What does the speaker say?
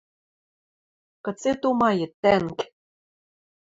Кыце тумает, тӓнг?